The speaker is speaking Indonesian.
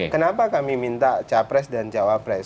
kenapa kami minta capres dan cawapres